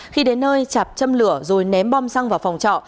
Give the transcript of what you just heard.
khi đến nơi chạp châm lửa rồi ném bom xăng vào phòng trọ